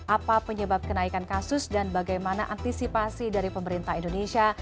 apa penyebab kenaikan kasus dan bagaimana antisipasi dari pemerintah indonesia